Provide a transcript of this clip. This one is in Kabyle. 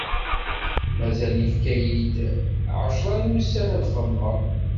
Mazal! Yefka-yi-d ɛecra n wussan ad xemmeɣ.